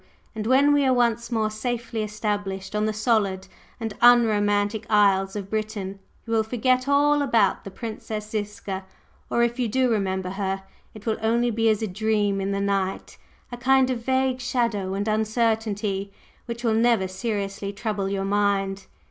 And when we are once more safely established on the solid and unromantic isles of Britain, you will forget all about the Princess Ziska; or if you do remember her, it will only be as a dream in the night, a kind of vague shadow and uncertainty, which will never seriously trouble your mind.